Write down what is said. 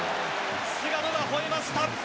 菅野がほえました。